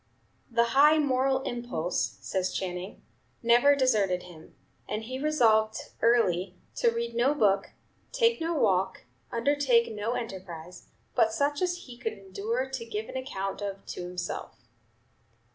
"The high moral impulse," says Channing, "never deserted him, and he resolved early to read no book, take no walk, undertake no enterprise, but such as he could endure to give an account of to himself."